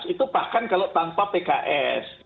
itu bahkan kalau tanpa pks